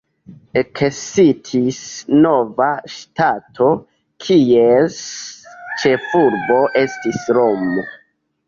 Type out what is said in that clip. Ekestis nova ŝtato, kies ĉefurbo estis Romo.